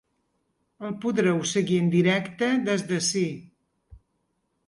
El podreu seguir en directe des d’ací.